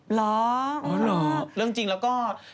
เหรออ๋อเหรอเรื่องจริงแล้วก็